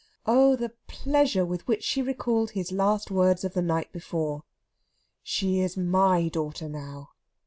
Oh, the pleasure with which she recalled his last words of the night before: "She is my daughter now!"